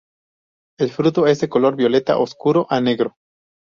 El fruto es de color violeta oscuro a negro.